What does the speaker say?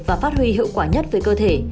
và phát huy hữu quả nhất với cơ thể